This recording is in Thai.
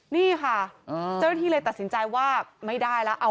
นี่ค่ะเจ้าหน้าที่เลยตัดสินใจว่าไม่ได้แล้ว